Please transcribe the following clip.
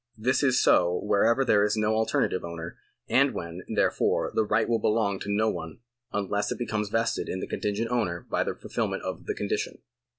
This is so whenever there is no alternative owner, and when, therefore, the right will belong to no one unless it becomes vested in the contingent owner by the fulfilment of the condition.